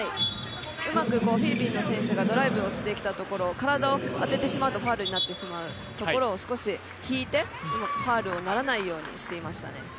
うまくフィリピンの選手がドライブをしてきたところを体を当ててしまうとファウルになってしまうところを、少し引いて、ファウルにならないようにしていましたね。